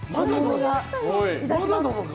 いただきます！